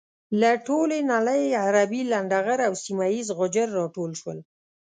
له ټولې نړۍ عربي لنډه غر او سيمه یيز غجر راټول شول.